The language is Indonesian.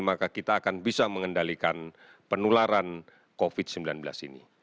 maka kita akan bisa mengendalikan penularan covid sembilan belas ini